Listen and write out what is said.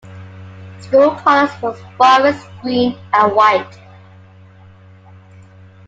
School colors were Forest Green and White.